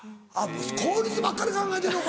効率ばっかり考えてんのか！